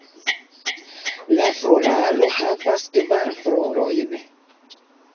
La floraro havas kvar florojn.